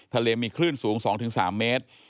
ทะเลมีคลื่นสูง๒๓เมตร